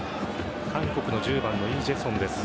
韓国の１０番のイ・ジェソンです。